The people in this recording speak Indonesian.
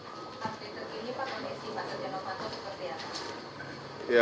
pak setia novanto seperti apa